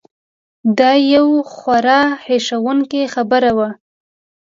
دا یو خورا هیښوونکې خبره وه.